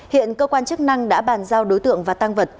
hiện cơ quan chức năng đã bàn giao đối tượng và tăng vật